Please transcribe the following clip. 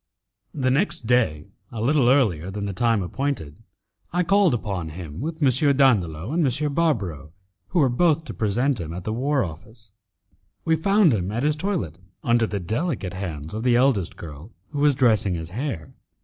The next day, a little earlier than the time appointed, I called upon him with M. Dandolo and M. Barbaro, who were both to present him at the war office. We found him at his toilet under the delicate hands of the eldest girl, who was dressing his hair.